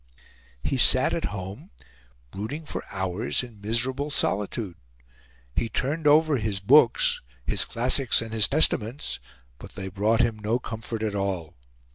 He sat at home, brooding for hours in miserable solitude. He turned over his books his classics and his Testaments but they brought him no comfort at all.